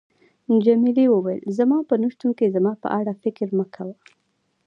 جميلې وويل: زما په نه شتون کې زما په اړه فکر مه کوه.